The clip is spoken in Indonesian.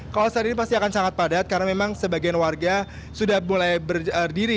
kawasan ini pasti akan sangat padat karena memang sebagian warga sudah mulai berdiri